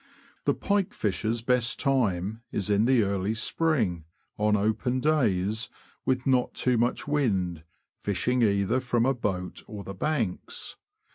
The pike fisher's best time is in the early spring, on open days, with not too much wind, fishing either from a boat or the banks.